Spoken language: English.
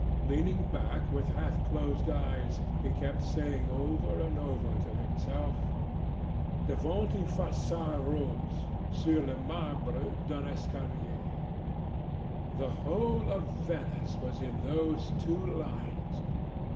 Leaning back with half closed eyes, he kept saying over and over to himself: "Devant une façade rose, Sur le marbre d'un escalier." The whole of Venice was in those two lines.